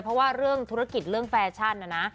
เพราะว่าเรื่องธุรกิจเรื่องแฟชั่นนะนะ